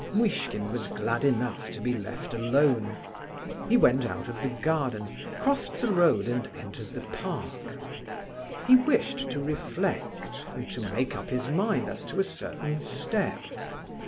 Muishkin was glad enough to be left alone. He went out of the garden, crossed the road, and entered the park. He wished to reflect, and to make up his mind as to a certain "step."